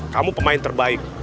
kamu pemain terbaik